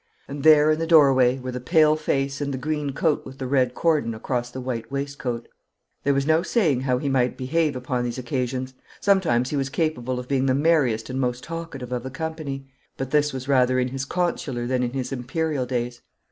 And there in the doorway were the pale face and the green coat with the red cordon across the white waistcoat. There was no saying how he might behave upon these occasions. Sometimes he was capable of being the merriest and most talkative of the company, but this was rather in his consular than in his imperial days.